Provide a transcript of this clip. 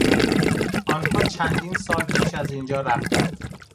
آنها چندین سال پیش از اینجا رفتند.